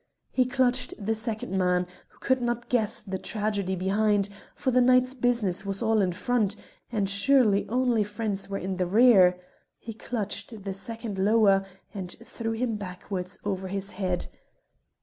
He clutched the second man, who could not guess the tragedy behind, for the night's business was all in front, and surely only friends were in the rear he clutched the second lower, and threw him backward over his head.